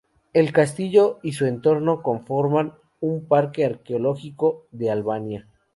El castillo y su entorno conforman un Parque Arqueológico de Albania.